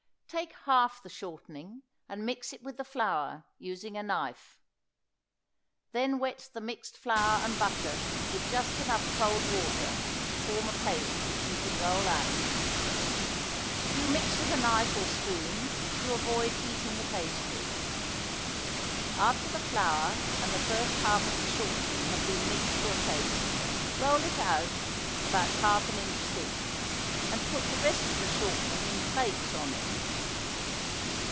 Take half the shortening and mix it with the flour, using a knife. Then wet the mixed flour and butter with just enough cold water to form a paste which you can roll out. If you mix with a knife or spoon you avoid heating the pastry. After the flour and the first half of the shortening have been mixed to a paste roll it out, about half an inch thick, and put the rest of the shortening in flakes on it.